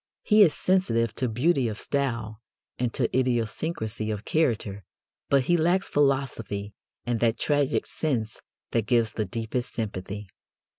He is sensitive to beauty of style and to idiosyncrasy of character, but he lacks philosophy and that tragic sense that gives the deepest sympathy.